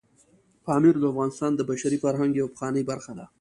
پامیر د افغانستان د بشري فرهنګ یوه پخوانۍ برخه ده.